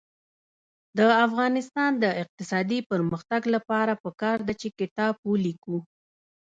د افغانستان د اقتصادي پرمختګ لپاره پکار ده چې کتاب ولیکو.